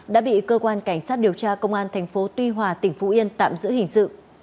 đã bị cơ quan cảnh sát điều tra công an tp tuy hòa tỉnh phú yên tạm giữ hình sự